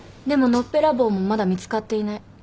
でものっぺらぼうもまだ見つかっていない。